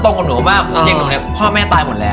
ตรงกับหนูมากอย่างหนูเนี่ยพ่อแม่ตายหมดแล้ว